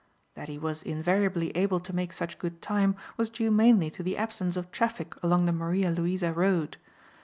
That he was invariably able to make such good time was due mainly to the absence of traffic along the Maria Louisa road.